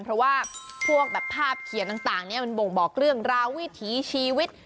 เพราะว่าพวกแบบภาพเขียนต่างเนี่ยมันบ่งบอกเรื่องราววิถีชีวิต